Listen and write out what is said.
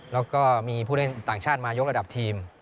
แล้วก็มีผู้เล่นต่างชาติมายกระดับทีม